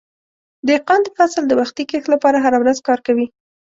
دهقان د فصل د وختي کښت لپاره هره ورځ کار کوي.